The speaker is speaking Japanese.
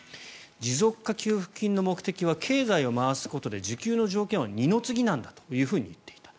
持続化給付金の目的は経済を回すことで受給の条件は二の次なんだと言っていた。